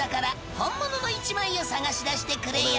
「本物の１枚を探し出してくれよ」